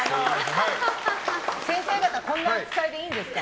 先生方こんな扱いでいいんですか？